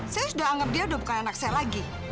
saya sudah anggap dia udah bukan anak saya lagi